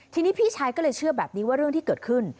ทีนี้พี่ชายก็เลยเชื่อแบบนี้ว่าเรื่องที่เกิดขึ้น